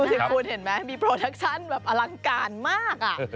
สิคุณเห็นไหมมีโปรแท็กชั่นแบบอลังการมาก